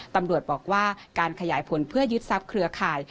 ตำรวจบอกว่าการขยายผลเพื่อยึดทรัพย์เครือข่าย